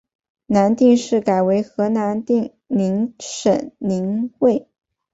南定市改为河南宁省省莅。